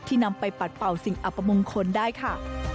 นำไปปัดเป่าสิ่งอัปมงคลได้ค่ะ